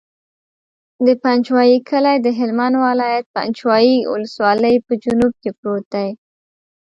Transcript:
د پنجوایي کلی د هلمند ولایت، پنجوایي ولسوالي په جنوب کې پروت دی.